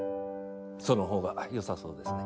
そのほうがよさそうですね。